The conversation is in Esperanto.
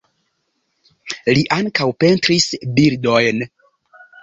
Li ankaŭ pentris bildojn.